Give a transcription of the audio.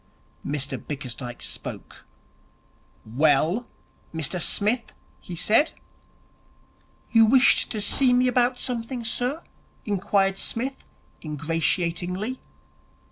Mr Bickersdyke spoke. 'Well, Mr Smith?' he said. 'You wished to see me about something, sir?' inquired Psmith, ingratiatingly.